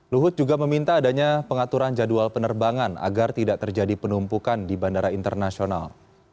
luhut juga meminta adanya pengaturan jadwal penerbangan agar tidak terjadi penumpukan di bandara internasional